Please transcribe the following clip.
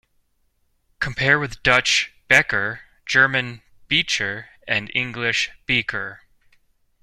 Compare with Dutch "beker", German "Becher" and English "beaker".